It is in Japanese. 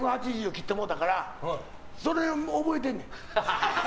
切ってもうたからそれ覚えてんねん。